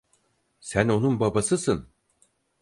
Sen onun babasısın.